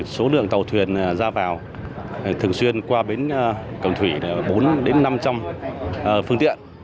số lượng tàu thuyền ra vào thường xuyên qua bến cầm thủy là bốn năm trăm linh phương tiện